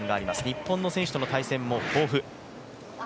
日本選手との対戦も豊富。